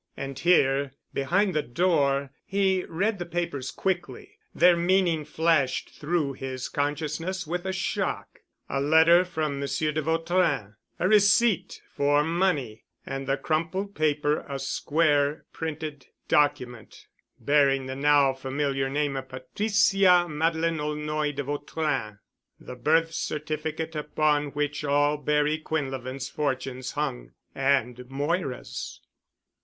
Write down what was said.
And here, behind the door, he read the papers quickly. Their meaning flashed through his consciousness with a shock—a letter from Monsieur de Vautrin, a receipt for money, and the crumpled paper a square printed document bearing the now familiar name of Patricia Madeleine Aulnoy de Vautrin—the birth certificate upon which all Barry Quinlevin's fortunes hung—and Moira's.